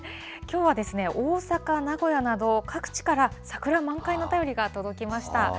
きょうは大阪、名古屋など、各地から、桜満開の便りが届きました。